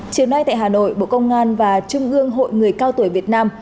chiều nay tại hà nội bộ công an và trung ương hội người cao tuổi việt nam